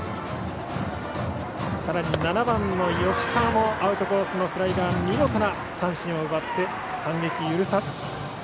さらに７番、吉川もアウトコースのスライダーで見事な三振を奪って反撃を許さず。